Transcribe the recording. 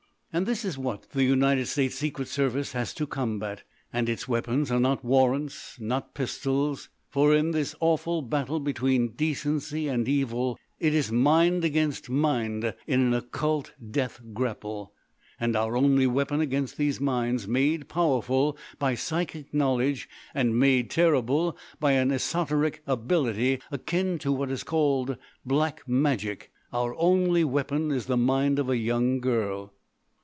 "And this is what the United States Secret Service has to combat. And its weapons are not warrants, not pistols. For in this awful battle between decency and evil, it is mind against mind in an occult death grapple. And our only weapon against these minds made powerful by psychic knowledge and made terrible by an esoteric ability akin to what is called black magic,—our only weapon is the mind of a young girl."